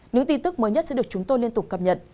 nếu tin tức mới nhất sẽ được chúng tôi liên tục cập nhận